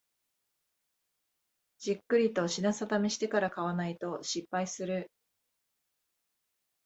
じっくりと品定めしてから買わないと失敗する